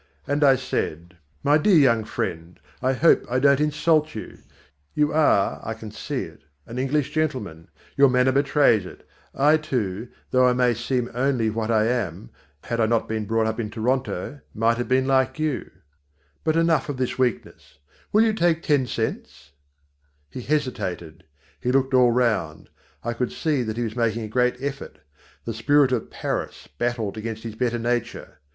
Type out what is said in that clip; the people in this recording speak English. And I said "My dear young friend, I hope I don't insult you. You are, I can see it, an English gentleman. Your manner betrays it. I, too, though I may seem only what I am, had I not been brought up in Toronto, might have been like you. But enough of this weakness, will you take ten cents?" [Illustration: Something in the quiet dignity of the young man held me.] He hesitated. He looked all round. I could see that he was making a great effort. The spirit of Paris battled against his better nature.